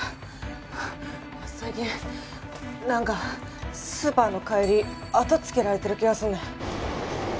最近なんかスーパーの帰り後つけられてる気がすんねん。